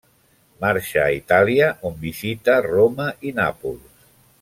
Marxa a Itàlia, on visita Roma i Nàpols.